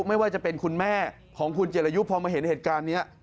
ไม่ว่าจะเป็นคุณแม่ของคุณเจรยุพอมาเห็นเหตุการณ์นี้